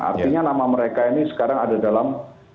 artinya nama mereka ini sekarang ada dalam